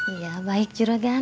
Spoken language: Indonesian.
iya baik juragan